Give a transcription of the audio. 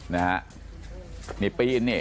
นี่ปีนเนี่ย